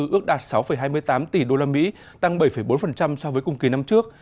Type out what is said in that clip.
ước đạt sáu hai mươi tám tỷ usd tăng bảy bốn so với cùng kỳ năm trước